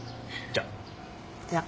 じゃあ。